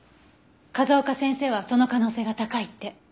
風丘先生はその可能性が高いって。